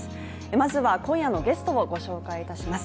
まずは今夜のゲストをご紹介いたします。